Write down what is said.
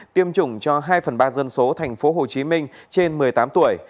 tiêm chủng cho hai phần ba dân số thành phố hồ chí minh trên một mươi tám tuổi